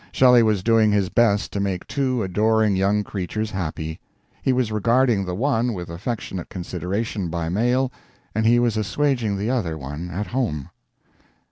Shelley was doing his best to make two adoring young creatures happy: he was regarding the one with affectionate consideration by mail, and he was assuaging the other one at home.